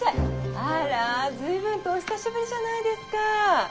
あら随分とお久しぶりじゃないですか。